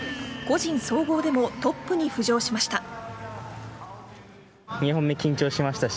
個人総合でもトップに浮上しました。